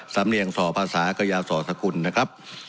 สำเรียงศภาษาเกรยาศศกุลนะครับ